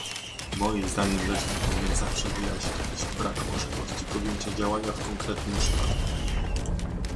Moim zdaniem rzecznik powinien zawsze wyjaśniać brak możliwości podjęcia działania w konkretnym przypadku